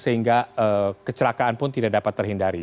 sehingga kecelakaan pun tidak dapat terhindari